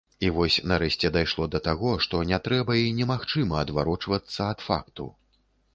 І вось нарэшце дайшло да таго, што не трэба і немагчыма адварочвацца ад факту.